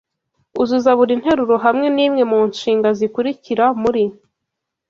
Uzuza buri nteruro hamwe nimwe mu nshinga zikurikira muri